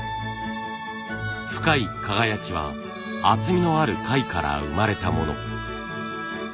深い輝きは厚みのある貝から生まれたもの。